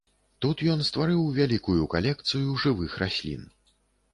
Тут ён стварыў вялікую калекцыю жывых раслін.